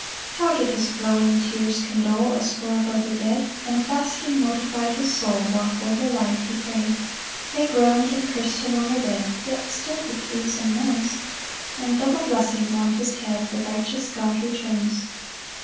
3 How did his flowing tears condole As for a brother dead! And fasting mortify'd his soul, While for their life he pray'd. 4 They groan'd; and curs'd him on their bed, Yet still he pleads and mourns; And double blessings on his head The righteous God returns.